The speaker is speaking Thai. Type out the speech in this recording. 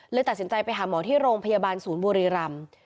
ตัดสินใจไปหาหมอที่โรงพยาบาลศูนย์บุรีรำ